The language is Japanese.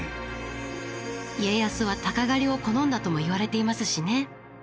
家康は鷹狩りを好んだともいわれていますしね。